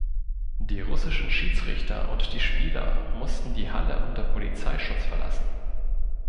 Die russischen Schiedsrichter und die Spieler mussten die Halle unter Polizeischutz verlassen.